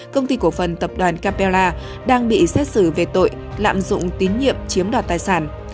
công ty cổ phần tập đoàn capella đang bị xét xử về tội lạm dụng tín nhiệm chiếm đoạt tài sản